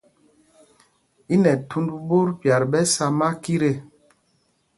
I nɛ thund ɓot pyat ɓɛ sá makit ê.